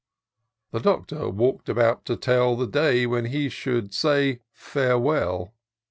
The Doctor walk'd about to tell The day when he should say — farewell